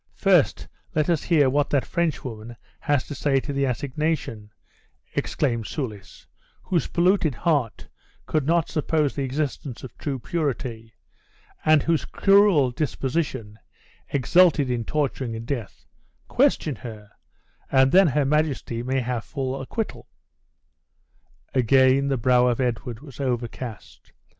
"First, let us hear what that French woman has to say to the assignation," exclaimed Soulis, whose polluted heart could not suppose the existence of true purity, and whose cruel disposition exulted in torturing and death; "question her, and then her majesty may have full acquittal." Again the brow of Edward was overcast.